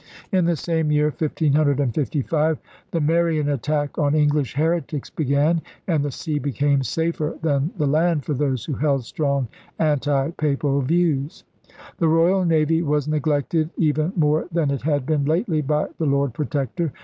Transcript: In the same year, 1555, the Marian attack on English heretics began and the sea became safer than the land for those who held strong anti Papal views. The Royal Navy was neglected even more than it had been lately by the Lord Protector.